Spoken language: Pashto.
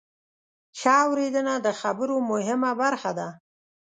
ښه اورېدنه د خبرو مهمه برخه ده.